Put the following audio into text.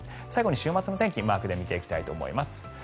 最後に週末の天気、マークで見ていきたいと思います。